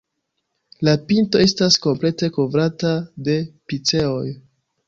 La pinto estas komplete kovrata de piceoj.